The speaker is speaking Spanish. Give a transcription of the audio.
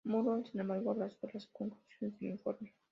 Mulroney, sin embargo abrazó las conclusiones del informe.